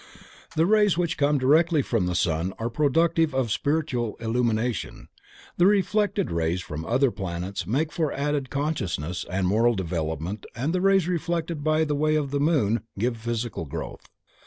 The rays which come directly from the sun are productive of spiritual illumination, the reflected rays from other planets make for added consciousness and moral development and the rays reflected by way of the moon give physical growth.